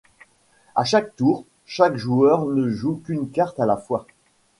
À chaque tour, chaque joueur ne joue qu'une carte à la fois.